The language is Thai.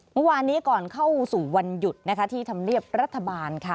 เมื่อวานี้ก่อนเข้าสู่วันหยุดที่ทำเนียบรัฐบาล